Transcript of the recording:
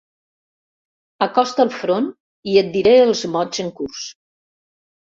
Acosta el front i et diré els mots en curs.